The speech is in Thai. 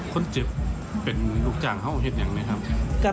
คนเจ็บเป็นลูกจ้างห้องเห็ดอย่างไหมครับ